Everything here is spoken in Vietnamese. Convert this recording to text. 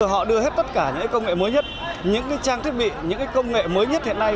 họ đưa hết tất cả những công nghệ mới nhất những trang thiết bị những công nghệ mới nhất hiện nay